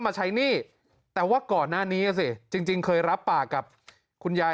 มาใช้หนี้แต่ว่าก่อนหน้านี้สิจริงเคยรับปากกับคุณยาย